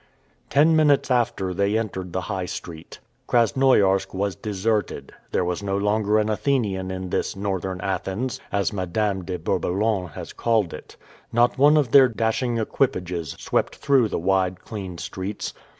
Ten minutes after they entered the High Street. Krasnoiarsk was deserted; there was no longer an Athenian in this "Northern Athens," as Madame de Bourboulon has called it. Not one of their dashing equipages swept through the wide, clean streets.